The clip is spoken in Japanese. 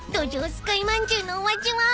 掬いまんじゅうのお味は？］